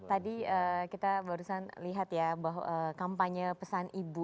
tadi kita barusan lihat ya bahwa kampanye pesan ibu